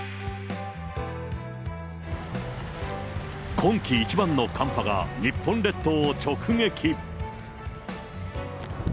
今季一番の寒波が日本列島を直撃。